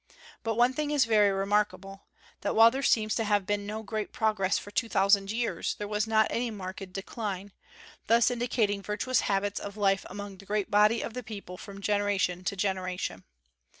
But one thing is very remarkable, that while there seems to have been no great progress for two thousand years, there was not any marked decline, thus indicating virtuous habits of life among the great body of the people from generation to generation.